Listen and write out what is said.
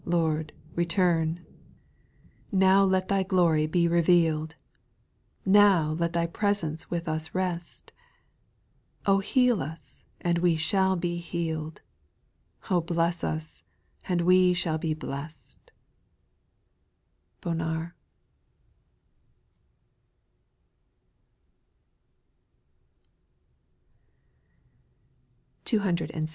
Lord, return I 4. Now let Thy glory be revealed ; Now let Thy presence with us rest ; heal us, and we shall be healed I O bless us, and we shall be blest I BONAB SPIRITUAL SONGS.